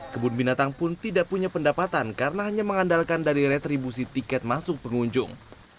kebun binatang pun tidak punya pendapatan karena hanya mengandalkan dari retribusi tiket masuk pengunjung